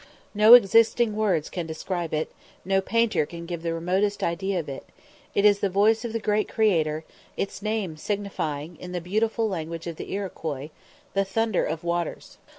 No existing words can describe it, no painter can give the remotest idea of it; it is the voice of the Great Creator, its name signifying, in the beautiful language of the Iroquois, "The Thunder of Waters."